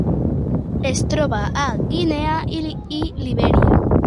Es troba a Guinea i Libèria.